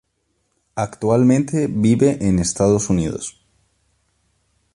Actualmente vive en Estados Unidos.